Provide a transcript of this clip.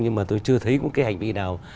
nhưng mà tôi chưa thấy cái hành vi nào